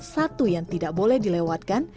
satu yang tidak boleh dilewatkan